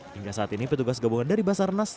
hingga saat ini petugas gabungan dari basarnas